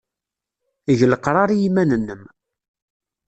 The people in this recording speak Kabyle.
Eg leqrar i yiman-nnem.